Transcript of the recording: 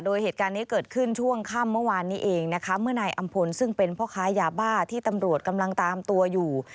โดยเหตุการณ์นี้เกิดขึ้นช่วงค่ำเมื่อวานนี้เองนะคะเมื่อนายอำพลซึ่งเป็นพ่อค้ายาบ้าที่ตำรวจกำลังตามตัวอยู่